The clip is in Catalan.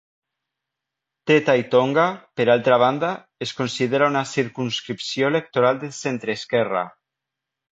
Te Tai Tonga, per altra banda, es considera una circumscripció electoral de centreesquerra.